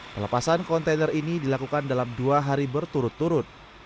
pelepasan kontainer ini dilakukan dalam dua hari berturut turut